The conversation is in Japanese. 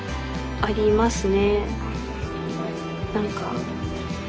ありますね。